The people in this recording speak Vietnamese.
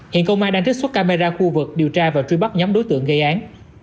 hiện công an đang trích xuất camera khu vực điều tra và truy bắt nhóm đối tượng gây án